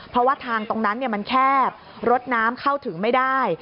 เพราะว่าทางตรงนั้นมันแคบรถน้ำเข้าถึงไม่ได้